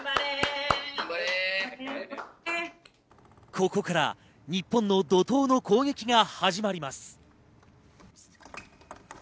ここから日本の怒涛の攻撃が始まります。